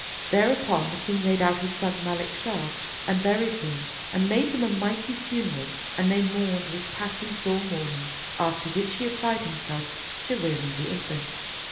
Thereupon the king laid out his son Malik Shah and buried him and made him a mighty funeral and they mourned with passing sore mourning; after which he applied himself to rearing the infant.